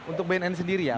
untuk bnn sendiri ya